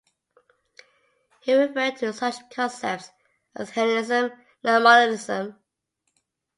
He referred to such concepts as "henism", not monism.